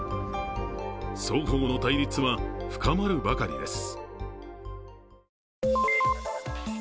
双方の対立は深まるばかりです。